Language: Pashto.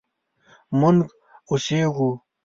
مونږ اوسیږو